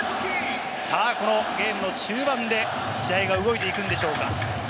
さぁこのゲームの中盤で試合が動いていくんでしょうか。